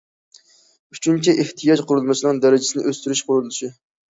ئۈچىنچى ئېھتىياج قۇرۇلمىسىنىڭ دەرىجىسىنى ئۆستۈرۈش قۇرۇلۇشى.